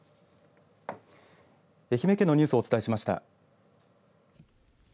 愛媛県のニュースをお伝えしました。